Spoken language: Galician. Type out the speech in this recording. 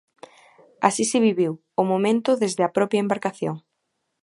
Así se viviu o momento desde a propia embarcación.